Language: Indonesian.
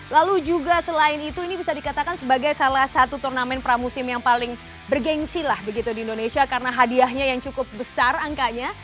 lalu juga selain itu ini bisa dikatakan sebagai salah satu turnamen pramusim yang paling bergensi lah begitu di indonesia karena hadiahnya yang cukup besar angkanya